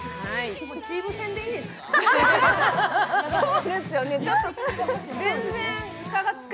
チーム戦でいいですか？